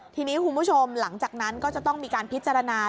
ทีนี้คุณผู้ชมหลังจากนั้นก็จะต้องมีการพิจารณา